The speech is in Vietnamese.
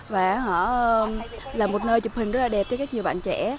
và là một nơi chụp hình rất là đẹp cho các nhiều bạn trẻ